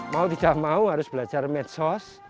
mau tidak mau harus belajar medsos